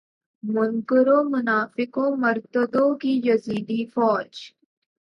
منکروں منافقوں مرتدوں کی یزیدی فوج